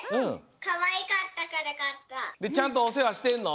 ちゃんとおせわしてんの？